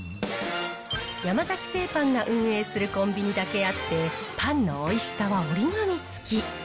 山崎製パンが運営するコンビニだけあって、パンのおいしさは折り紙付き。